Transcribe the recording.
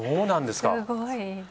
すごい。